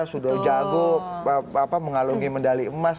sudah jago mengalungi medali emas